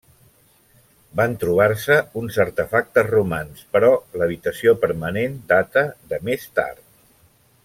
Van trobar-se uns artefactes romans, però l'habitació permanent data de més tard.